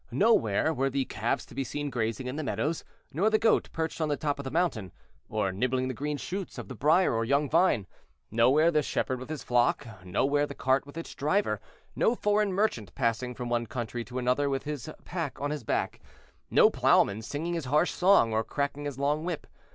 Nowhere were the calves to be seen grazing in the meadows, nor the goat perched on the top of the mountain, or nibbling the green shoots of the brier or young vine; nowhere the shepherd with his flock; nowhere the cart with its driver; no foreign merchant passing from one country to another with his pack on his back; no plowman singing his harsh song or cracking his long whip.